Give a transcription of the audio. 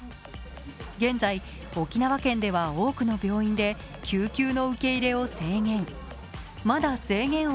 現在沖縄県では多くの病院で救急の受け入れを制限。